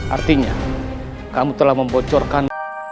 artinya kamu telah membocorkan